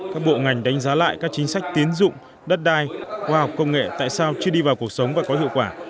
các bộ ngành đánh giá lại các chính sách tiến dụng đất đai khoa học công nghệ tại sao chưa đi vào cuộc sống và có hiệu quả